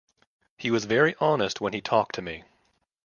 He was very honest when he talked to me.